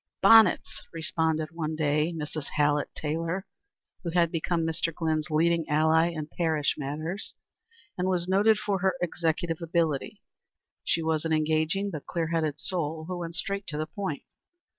"Bonnets!" responded one day Mrs. Hallett Taylor, who had become Mr. Glynn's leading ally in parish matters, and was noted for her executive ability. She was an engaging but clear headed soul who went straight to the point.